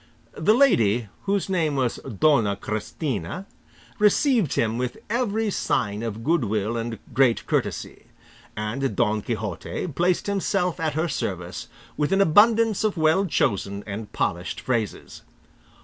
The lady, whose name was Dona Christina, received him with every sign of good will and great courtesy, and Don Quixote placed himself at her service with an abundance of well chosen and polished phrases.